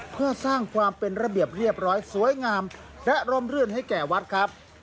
เพื่อสร้างความเป็นระเบียบเรียบร้อยสวยงามและร่มรื่นให้แก่วัดครับ